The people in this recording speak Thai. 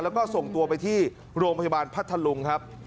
แล้วก็ส่งตัวไปที่โรงพยาบาลพัทธลุงครับ